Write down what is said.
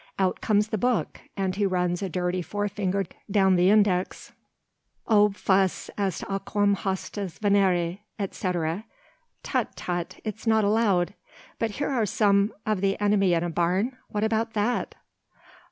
Out comes the book, and he runs a dirty forefinger down the index. "Ob fas est aquam hostis venere," etc. "Tut, tut, it's not allowed. But here are some of the enemy in a barn? What about that?"